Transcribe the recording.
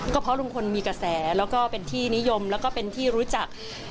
ก็เพราะลุงพลมีกระแสแล้วก็เป็นที่นิยมแล้วก็เป็นที่รู้จัก